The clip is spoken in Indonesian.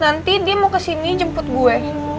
nanti dia mau kesini jemput gue